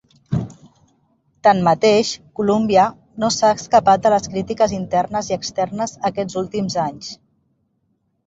Tanmateix, Columbia no s'ha escapat de les crítiques internes i externes aquests últims anys.